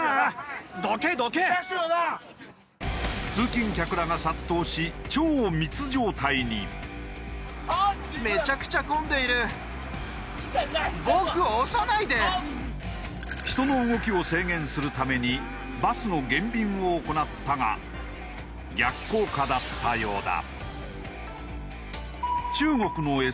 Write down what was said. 通勤客らが殺到し人の動きを制限するためにバスの減便を行ったが逆効果だったようだ。